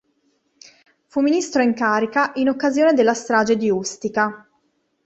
Fu ministro in carica in occasione della strage di Ustica.